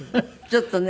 ちょっとね。